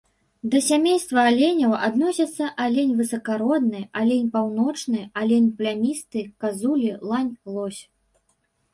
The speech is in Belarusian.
Да сямейства аленяў адносяцца алень высакародны, алень паўночны, алень плямісты, казулі, лань, лось.